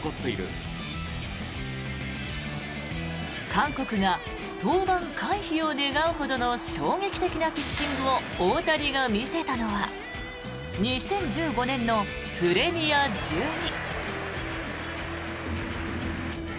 韓国が登板回避を願うほどの衝撃的なピッチングを大谷が見せたのは２０１５年のプレミア１２。